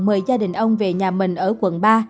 mời gia đình ông về nhà mình ở quận ba